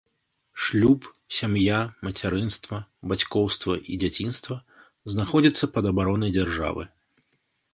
Шлюб, сям’я, мацярынства, бацькоўства і дзяцінства знаходзяцца пад абаронай дзяржавы.